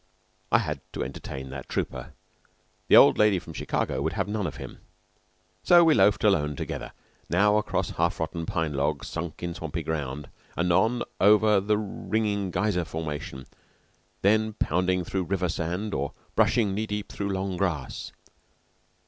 I had to entertain that trooper. The old lady from Chicago would have none of him; so we loafed alone together, now across half rotten pine logs sunk in swampy ground, anon over the ringing geyser formation, then pounding through river sand or brushing knee deep through long grass.